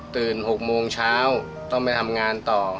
ตื่นหกโมงเช้าต้องไปทำงานต่อ